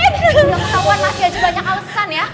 yang ketahuan masih aja banyak alesan ya